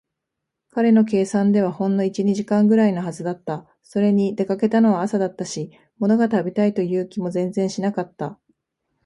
彼の計算ではほんの一、二時間ぐらいのはずだった。それに、出かけたのは朝だったし、ものが食べたいという気も全然しなかった。